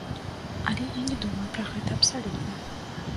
Але я не думаю пра гэта абсалютна.